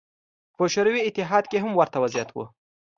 په شوروي اتحاد کې هم ورته وضعیت و.